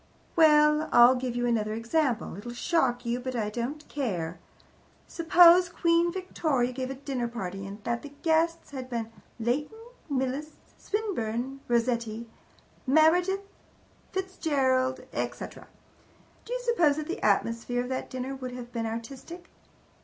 Well, I'll give you another example. It'll shock you, but I don't care. Suppose Queen Victoria gave a dinner party, and that the guests had been Leighton, Millais, Swinburne, Rossetti, Meredith, Fitzgerald, etc. Do you suppose that the atmosphere of that dinner would have been artistic?